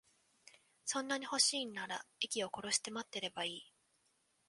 そんなに欲しいんなら、息を殺して待ってればいい。